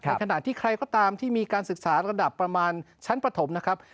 ขณะที่ใครก็ตามที่มีการศึกษาระดับประมาณชั้นปฐมนะครับ